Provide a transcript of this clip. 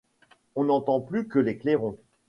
On n'entend plus que les clairons